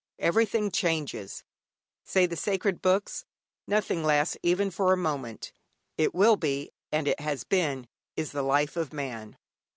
Everything changes, say the sacred books, nothing lasts even for a moment. It will be, and it has been, is the life of man.